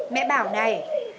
mẹ bảo này